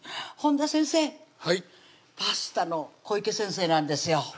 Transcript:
本多先生はいパスタの小池先生なんですよ